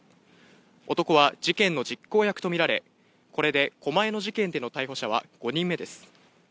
男は事件の実行役とみられ、これで狛江の事件での逮捕者は５人目です。